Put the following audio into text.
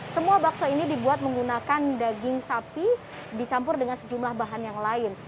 semua bakso ini dibuat menggunakan daging sapi dicampur dengan sejumlah bahan yang lain